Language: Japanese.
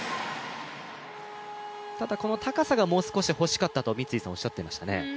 ただ、この高さがもう少し欲しかったと三井さんおっしゃっていましたね。